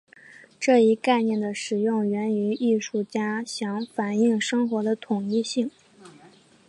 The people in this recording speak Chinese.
这一概念的使用源于艺术家想反映生活的统一性。